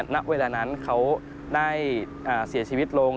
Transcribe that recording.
ณเวลานั้นเขาได้เสียชีวิตลง